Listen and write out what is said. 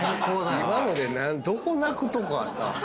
今のでどこ泣くとこあった？